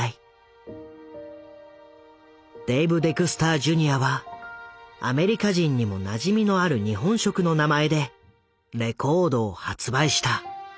デイブ・デクスター・ジュニアはアメリカ人にもなじみのある日本食の名前でレコードを発売した。